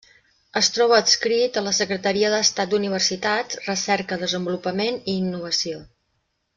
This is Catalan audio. Es troba adscrit a la Secretaria d'Estat d'Universitats, Recerca, Desenvolupament i Innovació.